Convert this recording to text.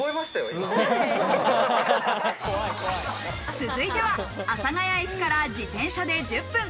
続いては阿佐ヶ谷駅から自転車で１０分。